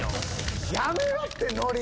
やめろってノリ！